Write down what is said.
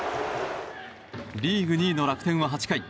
リーグ２位の楽天は８回。